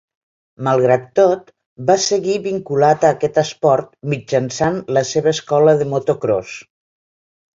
Malgrat tot, va seguir vinculat a aquest esport mitjançant la seva escola de motocròs.